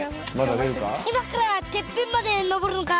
今からてっぺんまで登るのか？